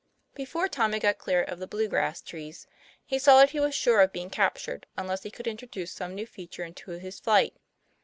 Before Tom had got clear of the " Blue grass " trees, he saw that he was sure of being captured, un less he could introduce some new feature into his flight.